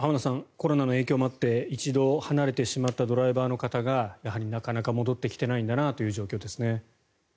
コロナの影響もあって一度離れてしまったドライバーの方がやはりなかなか戻ってきてないんだなという状況ですね。